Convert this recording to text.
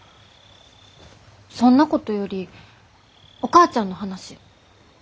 そんなことよりお母ちゃんの話。